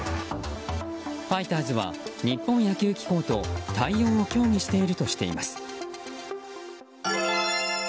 ファイターズは日本野球機構と対応を協議しているとしています。